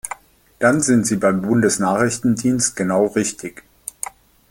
Dann sind Sie beim Bundesnachrichtendienst genau richtig!